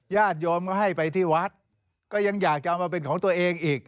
ญาติโยมก็ให้ไปที่วัดก็ยังอยากจะเอามาเป็นของตัวเองอีก